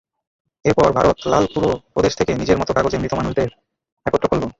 এরপর ভারত লাল পুরো প্রদেশ থেকে নিজের মতো কাগজে মৃত মানুষদের একত্র করলো।